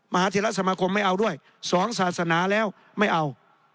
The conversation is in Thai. มหาเทราสมาคมไม่เอาด้วยสองศาสนาแล้วไม่เอา